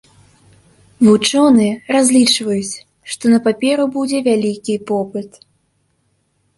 Вучоныя разлічваюць, што на паперу будзе вялікі попыт.